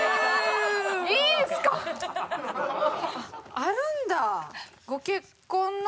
あるんだ！